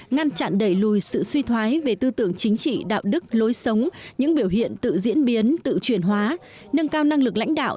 ngăn chặn đẩy lùi sự suy thoái về tư tưởng chính trị đạo đức lối sống những biểu hiện tự diễn biến tự chuyển hóa nâng cao năng lực lãnh đạo